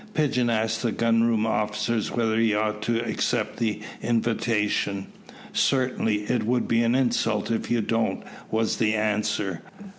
Pigeon asked the gun room officers whether he ought to accept the invitation. "Certainly, it will be an insult if you don't," was the answer.